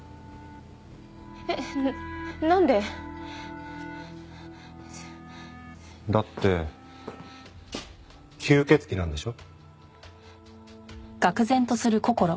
えっなんで？だって吸血鬼なんでしょ？